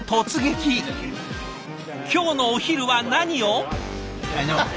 今日のお昼は何を？